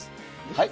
はい？